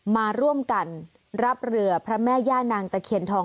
มาร่วมกันรับเรือพระแม่ย่านางตะเคียนทอง